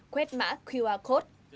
quét mã qr code